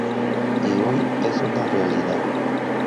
Y hoy es una realidad.